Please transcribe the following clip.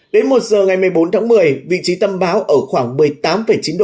đến một giờ ngày một mươi bốn tháng một mươi vị trí tâm bão ở khoảng một mươi tám chín độ